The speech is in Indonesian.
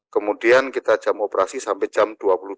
kemudian kita jam operasi sampai jam dua puluh dua